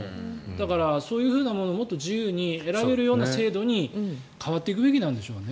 だから、そういうものをもっと自由に選べるような制度に変わっていくべきなんでしょうね。